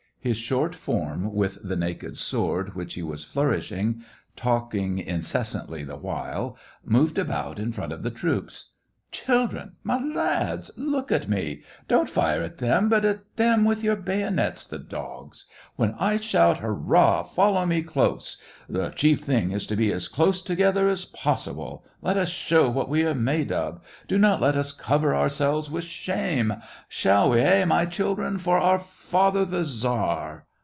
His short form, with the naked sword which he was flourishing, talking incessantly the while, moved about in front of the troop. *' Children ! my lads !... look at me ! Don't fire at them, but at them with your bayonets, the dogs ! When I shout, Hurrah ! follow me close ... thechief thing is to be as close together as possible ... let us show what we are made of! Do not let us cover ourselves with shame — shall we, hey, my children .? For our father the Tsar